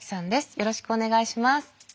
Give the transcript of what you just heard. よろしくお願いします。